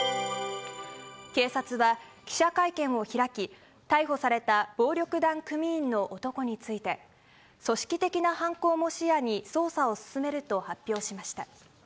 警察は記者会見を開き、逮捕された暴力団組員の男について、組織的な犯行も視野に捜査を進めると発表しました。